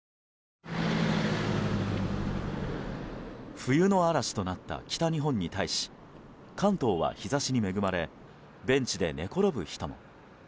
冬の嵐となった北日本に対し関東は日差しに恵まれベンチで寝転ぶ人も。